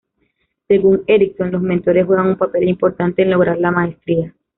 Según Ericsson, los mentores juegan un papel importante en lograr la maestría.